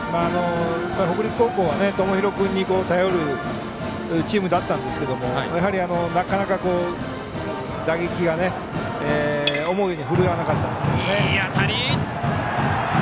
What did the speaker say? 北陸高校は友廣君に頼るチームだったんですけどやはり、なかなか打撃が思うように振るわなかったんですね。